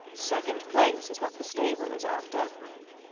Second place is what the stable is after.